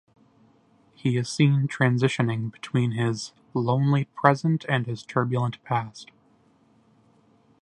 He is seen transitioning between his "lonely present and his turbulent past".